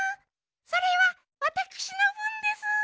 それはわたくしのぶんでスー。